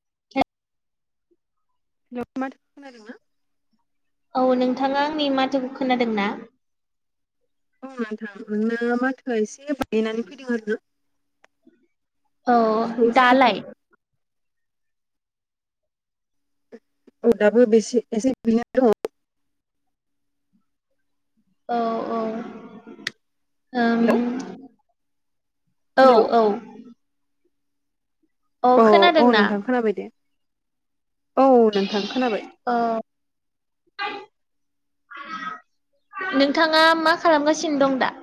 [inaudible] [unintelligible] खोनादों ना? औ नोंथाङा आंनि माथोखौ खोनादों ना? औ नोंथां नोंना माथोआ एसे बायनानै फैदों आरो। औ स्र' जायाखै दालाइ औ दाबो बेसे एसे बेनो दङ। औ औ ओं हेलौ औ हेलौ औ। औ अ नोंथां खोनाबाय दे औ नोंथां खोनाबाय। ओ नोंथाङा मा खालामगासिनो दं दा?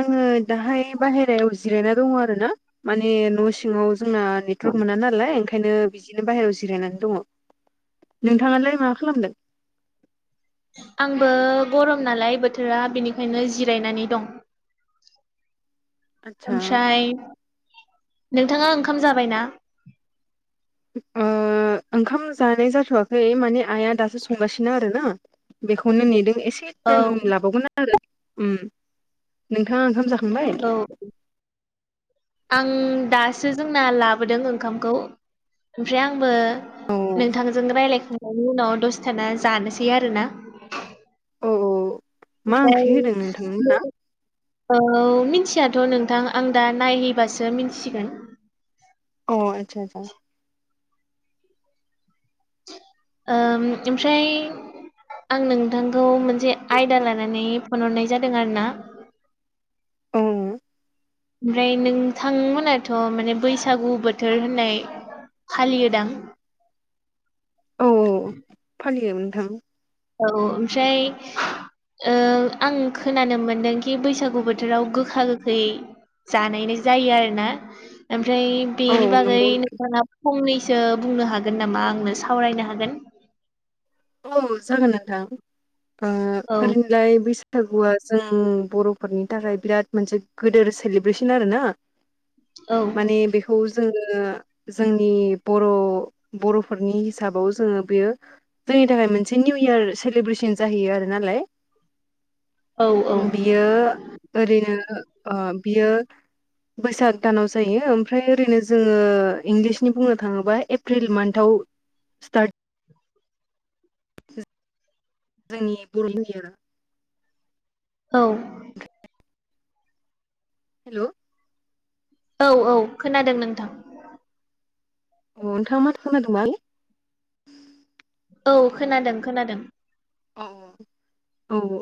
आङो दाहाय बाहेरायाव जिरायना दङ आरो ना माने न' सिङाव जोंना नेटवार्क मोना नालाय ओंखायनो बिदिनो बाहेरायाव जिरायनानै दङ। नोंथाङालाय मा खालामदों। आंबो गरम नालाय बोथोरा बेनिखायनो जिरायनानै दं। आदसा ओमफ्राय नोंथाङा ओंखाम जाबायना? ओ ओंखाम जानाय जाथ'वाखै माने आइआ दासो संगासिनो आरो ना? बेखौनो नेदों एसे औ टाइम लाबावगोन आरो ओम नोंथाङा ओंखाम जाखां औ। आं दासो जोंना लाबोदों ओंखामखौ ओमफ्राय आंबो औ नोंथांजों रायलायखांनायनि उनाव दसथाना जानोसै आरोना। औ औ मा ओंख्रि होदों नोंथांमोना? ओमफ्राय औ मिथियाथ' नोंथां आं दा नायहैबासो मिथिगोन। अ आतसा सा। ओम ओमफ्राय आं नोंथांखौ मोनसे आयदा लानानै फन हरनाय जादों आरोना औ ओमफ्राय नोंथां मोनाथ' माने बैसागु बोथोर होननाय फालियोदां औ औ फालियो नोंथां औ ओमफ्राय ओ आं खोनानो मोनदों बैसागु बोथोराव गोखा गोखै जानायनाय जायो आरोना आमफ्राय औ बेनि बागै नंगौ नोंथां नोंथाङा फंनैसो बुंनो हागोन नामा आंनो सावरायनो हागोन औ जागोन नोंथां ओ औ ओरैनोलाय बैसाग बैसागुआ जों बर'फोरनि थाखाय बिराद मोनसे गिदोर सेलिब्रेसन आरो ना। [inaudible] माने बे खौ जोङो जोंनि बर' बर'फोरनि हिसाबाव जोङो बेयो जोंनि थाखाय मोनसे निउ इयार सेलेब्रेसन जाहैयो आरो नालाय। औ औ बियो ओरैनो ओ बियो बैसाग दानाव जायो ओमफ्राय ओरैनो जोङो इंलिसनि बुंनो थाङोबा एप्रिल मान्थआव स्टार्ट [unintelligible] जोंनि बर' [unintelligible] औ हेलौ औ औ खोनादों नोंथां अ नोंथां माथो खोनादोंंबाल औ खोनादों खोनादों औ औ ओ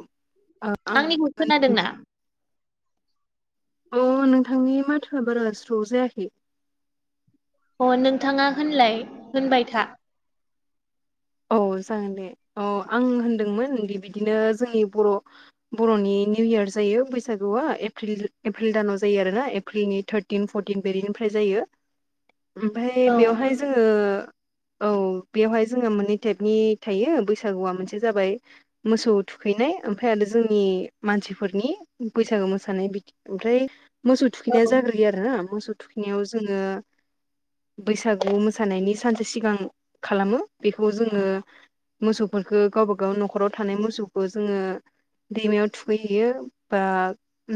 आं आंनिखौ खोनादोंना [unintelligible] अ नोंथांनि माथोआ बारा स्र' जायाखै अ नोंथाङा होनलाय होनबाय था औ जागोन दे ओ आं होनदोंमोन दि बिदिनो जोंनि बर' बर'नि निउ इयार जायो बैसागुआ एप्रिल दानाव जायो आरोना एप्रिलनि थार्ड टिन फरटिन बेरिनिफ्राय जायो [inaudible] ओमफाहाय औ बेवहाय जोङो औ बेवहाय जोङो मोननै टेपनि थायो बैसागुआ मोनसे जाबाय मोसौ थुखैनाय ओमफ्राय आरो जोंनि मानसिफोरनि बैसागो मोसानाय बिदि ओमफ्राय मोसौ थुखैनाया जाग्रोयो आरोना मोसौ थुखैनायाव जोङो बैसागु मोसानायनि सानसे सिगां खालामो बेखौ जोङो मोसौफोरखौ गावबागाव नखराव थानाय मोसौखौ जोङो दैमायाव थुखैहैयो बा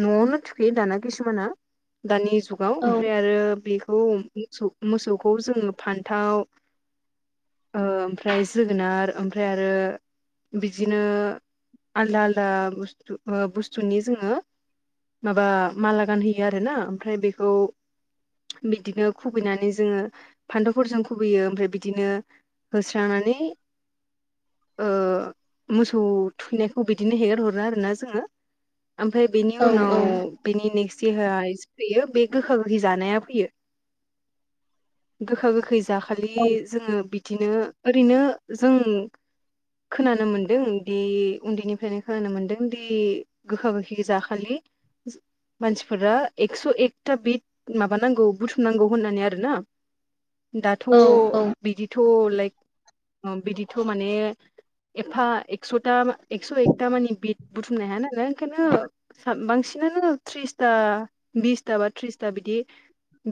न'आवनो थुखैयो दाना खिसुमाना दानि जुगाव औ ओमफ्राय आरो बेखौ सौ मोसौखौ जोङो फानथाव ओ फ्राय जोगोनार ओमफ्राय आरो बिदिनो आलदा आलदा बुस्थु-बुस्थुनि जोङो माबा माला गानहोयो आरो ना आमफ्राय बेखौ बिदिनो खुबैनानै जोङो फानथावफोरजों खुबैयो ओमफ्राय बिदिनो थारमाने मोसौ थुखैनायखौ बिदिनो हेगारहरो आरोना जोङो ओमफ्राय बेनि औ उनाव बिनि नेक्स्ट देहायसो फैयो बे गोखा गोखै जानाया फैयो गोखा गोखै जाखालि औ जोङो बिदिनो ओरैनो जों खोनानो मोनदों दि उन्दैनिफ्रायनो खोनानो मोनदों दि गोखा गोखै जाखालि मानसिफोरा एकस' एकथा बिद माबानांगौ बुथुमनांगौ होननानै आरो ना दाथ' औ औ बिदिथ' लाइक बिदिथ' माने एफा एकस'था एक्स' एकथा मानि बि बुथुमनो हाय नालाय ओंखायनो बांसिनानो थ्रिसथा बिस था बा थ्रिसथा बिदि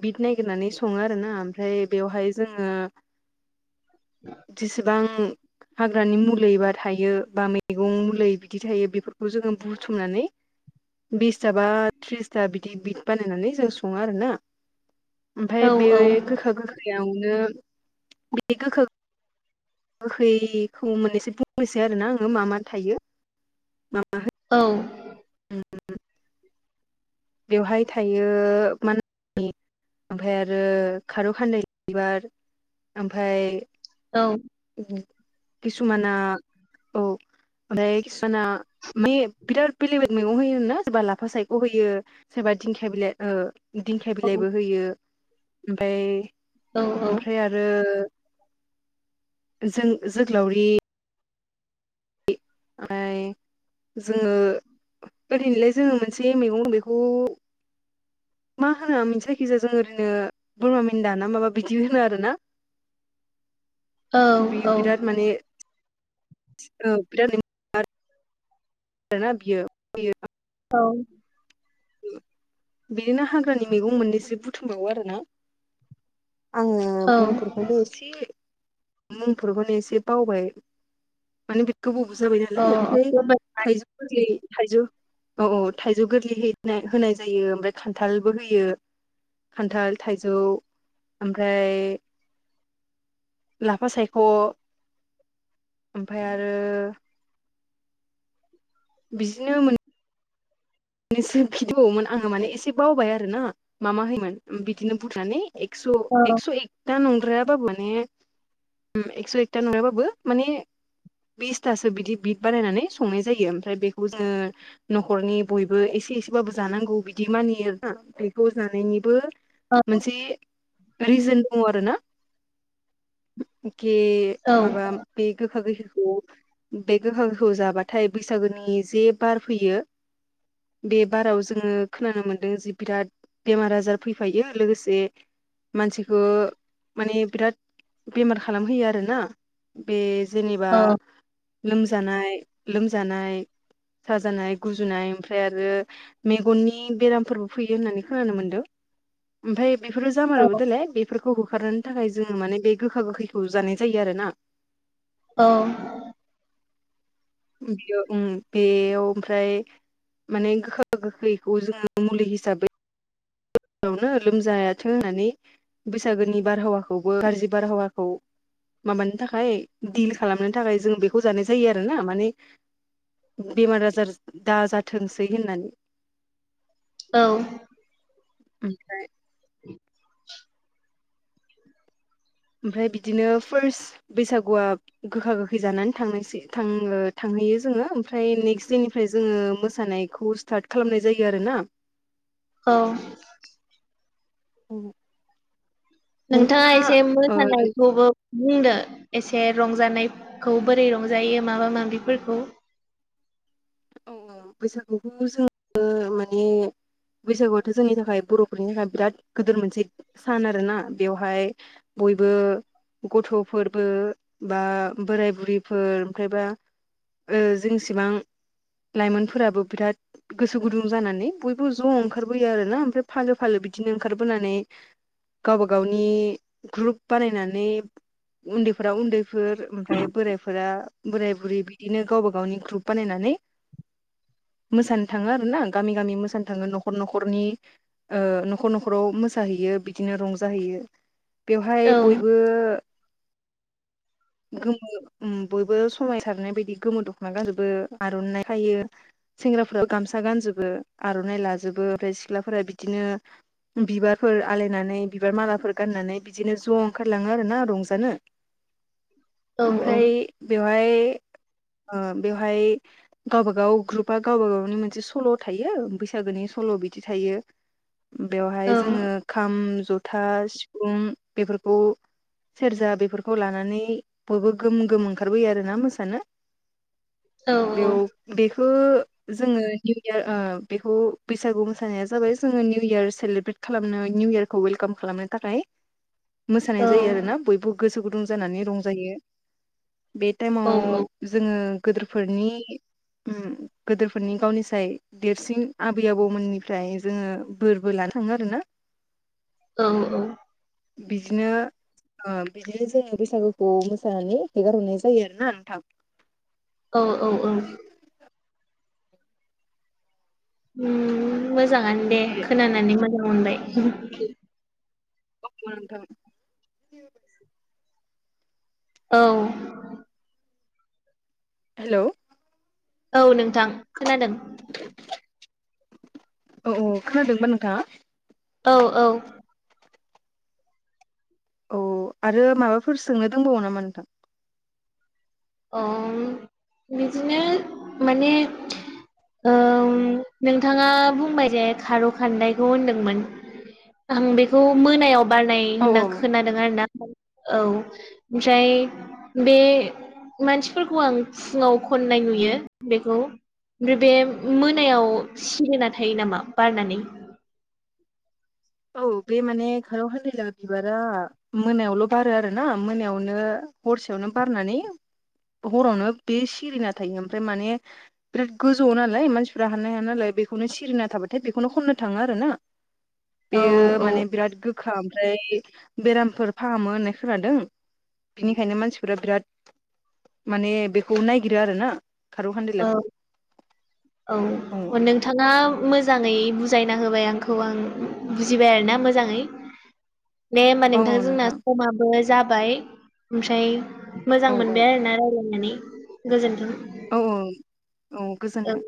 बिट ननायागिरनानै सङो आरो ना ओमफ्राय बेवहाय जोङो जेसेबां हाग्रानि मुलै बा थायो बा मैगं मुलै बिदि थायो बेफोरखौ जोङो बुथुमनानै बिस सोरहाबा थ्रिसथा बिदि बिट बानायनानै जों सङो आरोना औ ओमफाय बे गोखा गोखैयावनो बे गोखा गोखैखौ मोनैसो बुंनोसै आरो ना आङो मा मा थायो मा मा होयो औ [unintelligible] बेवहाय थायो माने आमफाय आरो खारौ खानदाइ बिबार आमफाय औ औ किसुमाना औ ओमफ्राय किसुमाना माने बिराद बेलेग बेलग मैगं होयो ना सोरबा लाफा सायख' होयो सोरबा दिंखिया बिलाइ दिंखिया बिलाइबो होयो ओमफ्राय ओमफ्राय आरो जो जोग्लावरि ओमफ्राय जोङो ओरैनोलाय जोङो मोनसे मैगं दं बेखौ मा होनो मिनथिया जायखिजाया जों ओरैनो बोरमा मेन्दा ना माबा बिदि होनो आरोना बे बिराद माने बिराद आरोना बियो बियो औ बिदिनो हाग्रानि मैगं मोननैसो बुथुमबावो आरोना आङो औ मुंफोरखौनो एसे मुंफोरखौनो एसे बावबाय माने बे गोबावबो जाबाय औ नालाय ओमफ्राय बेबाय थाइजौ गोरलै थाइजौ औ औ थाइजौ गोरलै है होनाय जायो ओमफ्राय खान्थालबो होयो खान्थाल थाइजौ ओमफ्राय लाफा सायख' ओमफ्राय आरो बिदिनो मोन मैसो दंबावोमोन आङो माने एसे बावबाय आरोना मा मा होयोमोन बिदिनो बुथुमनानै एक्स' औ एक्स' एकथा नंद्रायाबाबो माने एकस' एकथा नंद्रायाबाबो माने बिसथासो बिदि बिद बानायनानै संनाय जायो ओमफ्राय बेखौ जोङो न'खरनि बयबो एसे एसेबाबो जानांगौ बिदि मानियो आरोना बेखौ जानायनिबो औ मोनसे रिजोन दङ आरोना खि माबा बे गोखा गोखैखौ बे गोखा गोखैखौ जाबाथाय बैसागोनि जे बार फैयो बे बाराव जोङो खोनानो मोन्दों जे बिराद बेमार आजार फैफायो लोगोसे मानसिखौ माने बिराद बेमार खालामहोयो आरोना बे जेनेबा लोमजानाय लोमजानाय साजानाय गुजुनाय ओमफ्राय आरो मेगननि बेरामफोरबो फैयो होननानै खोनानो मोन्दों ओमफ्राय बेफोर जामारोबो देलाय बे बेफोरखौ होखारनो थाखाय जोङो माने बे गोखा गोखैखौ जानाय जायो आरो ना। औ बेयो ओम बेयाव ओमफ्राय माने गोखा गोखैखौ जोङो मुलि हिसाबै आवनो लोमजायाथों होननानै बैसागोनि बारहावाखौबो गारज्रि बारहावाखौ माबानो थाखाय, दिल खालामनो थाखाय जों बेखौ जानाय जायो आरोना माने बेमार आजार दाजाथोंसै होननानै औ ओमफ्राय ओमफ्राय बिदिनो फार्स्ट बैसागुआ गोखा गोखै जानानै थांनायसै थां-थांहोयो जोङो ओमफ्राय नेक्स्ट दिननिफ्राय जोङो मोसानाय खौ स्टार्ट खालामनाय जायो आरोना औ औ नोंथाङा एसे ओ औ मोसानायखौबो बुंदो। एसे रंजानायखौ बोरै रंजायो माबा माबिफोरखौ औ औ बैसागुखौ जोङो माने बैसागुआथ' जोंनि थाखाय बर'फोरनि थाखाय बिराद गिदिर मोनसे सान आरो ना बेवहाय बयबो गथ'फोरबो बा बोराय बुरिफोर ओमफ्रायबा ओ जोंसिबां लाइमोनफोराबो बिराद गोसो गुदुं जानानै बयबो ज' ओंखारबोयो आरोना ओमफ्राय फालो फालो बिदिनो ओंखारबोनानै गावबा गावनि ग्रुप बानायनानै उन्दैफोरा उन्दैफोर, ओमफ्राय बोरायफोरा बोराय बुरि बिदिनो गावबा गावनि ग्रुप बानायनानै मोसानो थाङो आरो ना गामि गामि मोसानो थाङो न'खर न'खरनि ओ न'खर न'खराव मोसाहैयो बिदिनो रंजाहैयो। बेवहाय औ बयबो गोमो उम बयबो समाय सारनाय बायदि गोमो दख'ना गानाजोबो। आर'नाय खायो। सेंग्राफोर गामसा गानजोबो आर'नाइ लाजोबो। ओमफ्राय सिख्लाफोरा बिदिनो बिबारफोर आलायनानै बिबार मालाफोर गाननानै बिदिनो ज' ओंखारलाङो आरोना रंजानो। [inaudible] औ औ ओमफ्राय बेवहाय ओ बेवहाय गावबागाव ग्रुपा गावबा गावनि मोनसे सल' थायो बैसागोनि सल' बिदि थायो। [inaudible] औ बेवहाय औ जोङो खाम जथा सिफुं बेफोरखौ सेरजा बेफोरखौ लानानै बयबो गोम गोम ओंखारबोयो आरोना मोसानो। बेयाव बेखो जोङो निउ इयार ओ बेखौ बैसागु मोसानाया जाबाय जोङो निउ इयार सेलेब्रेट खालामनो निउ इयार खौ वेलकाम खालामनो थाखाय [inaudible] मोसानाय जायो आरोना बयबो गोसो गुदुं जानानै रंजायो बे औ टाइमाव जोङो गोदोरफोरनि उम गोदोरफोरनि गावनिसाय देरसिन आबै आबौमोननिफ्राय जोङो बोरबो लानो थाङो आरो ना। औ औ। बिदिनो बिदिनो जोङो बैसागुखौ मोसानानै हेगारहरनाय जायो आरोना नोंथां। औ औ औ। उम मोजाङानो दे बे खोनानानै मोजां मोनबाय [unintelligible] नोंथां औ। हेल' औ नोंथां खोनादों औ औ खोनादों ना नोंथाङा? औ औ औ आरो माबाफोर सोंनो दंबावो नामा नोंथां? अ बिदिनो माने औ नोंथाङा बुंबाय जे खार' खान्दायखौ होनदोंमोन। आं बेखौ मोनायाव बारनाय औ होनना औ खोनादों आरोना औ ओमफ्राय बे मानसिफोरखौ आं फुङाव खननाय नुयो बेखौ ओमफ्राय बे औ मोनायाव सिरिना थायो नामा बारनानै? औ बे माने खाराव खान्दाया बिबारा मोनायावल' बारो आरो ना मोनायावनो हरसेयावनो बारनानै हरावनो बे सिरिना थायो ओमफ्राय माने बिराद गोजौ नालाय मानसिफोरा हाननो हाया नालाय बेखौनो सिरिना थाबाथाय बेखौनो खन्नो थाङो आरो ना। औ बेयो औ माने बिराद गोखा ओमफ्राय बेरामफोर फाहामो होननाय खोनादों बिनिखायनो मानसिफोरा बिराद माने बेखौ नायगिरो आरो ना खारौ औ खान्देलाखौ औ नों नोथाङा मोजाङै बुजायना होबाय आंखौ आं बुजिबाय आरोना मोजाङै दे होमबा औ नोंथां औ जोंना समाबो जाबाय ओमफ्राय मोजां औ औ मोनबाय आरोना रायज्लायनानै गोजोन्थों औ औ औ गोजोनथों